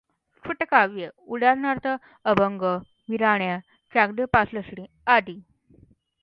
स्फुटकाव्य उदा. अभंग, विराण्या, चागदेव पासष्टी, आदि.